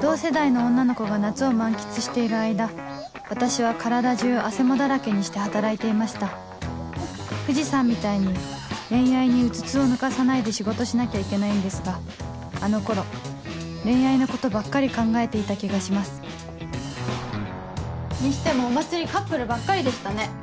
同世代の女の子が夏を満喫している間私は体中あせもだらけにして働いていました藤さんみたいに恋愛にうつつを抜かさないで仕事しなきゃいけないんですがあの頃恋愛のことばっかり考えていた気がしますにしてもお祭りカップルばっかりでしたね。